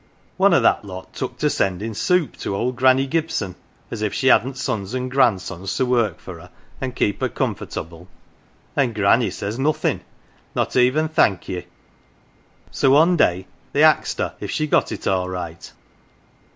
One of that lot took to sending soup to old Granny Gibson (as if she hadn't sons and grandsons to work for her and keep her com fortable), and Granny says nothin' not even Thank ye so one day they axed her if she got it all right.